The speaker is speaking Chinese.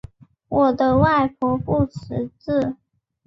我的外婆不识字